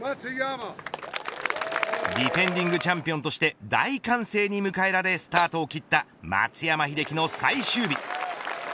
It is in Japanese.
ディフェンディングチャンピオンとして大歓声に迎えられスタートを切った松山英樹の最終日。